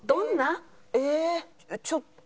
えっ？